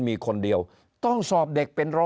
นายกรัฐมนตรีพูดเรื่องการปราบเด็กแว่น